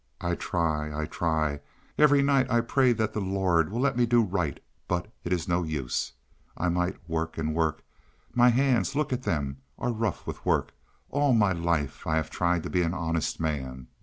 "I try, I try! Every night I pray that the Lord will let me do right, but it is no use. I might work and work. My hands—look at them—are rough with work. All my life I have tried to be an honest man.